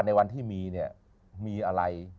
ในวันที่มีเนี่ยมีอะไร